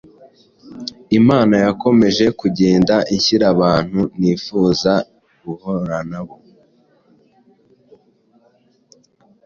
Imana yakomeje kugenda inshyira abantu ntifuzaga guhura na bo.